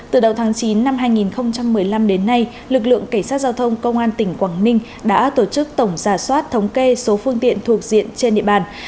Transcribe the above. từ đầu tháng chín năm hai nghìn một mươi năm đến nay lực lượng cảnh sát giao thông công an tỉnh quảng ninh đã tổ chức tổng giả soát thống kê số phương tiện thuộc diện trên địa bàn